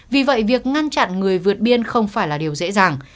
vì vậy việc ngăn chặn người vượt biên không phải là điều dễ dàng